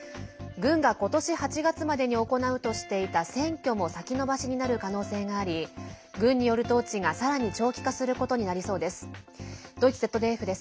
軍が、今年８月までに行うとしていた選挙も先延ばしになる可能性があり軍による統治が、さらに長期化することになりそうです。